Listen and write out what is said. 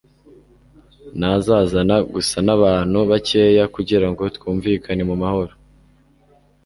nazazana gusa n'abantu bakeya kugira ngo twumvikane mu mahoro